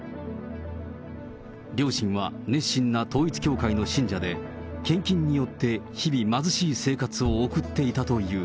両親は熱心な統一教会の信者で、献金によって、日々貧しい生活を送っていたという。